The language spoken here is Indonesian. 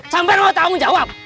sampai naruh tagung jawab